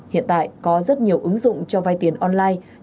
hiện tại có rất nhiều ứng dụng cho vay tiền online